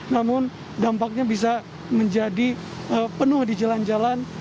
namun dampaknya bisa menjadi penuh di jalan jalan